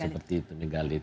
seperti itu megalit